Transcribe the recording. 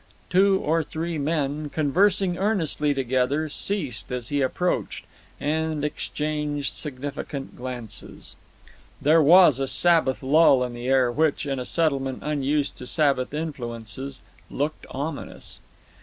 Two or three men, conversing earnestly together, ceased as he approached, and exchanged significant glances. There was a Sabbath lull in the air which, in a settlement unused to Sabbath influences, looked ominous. Mr.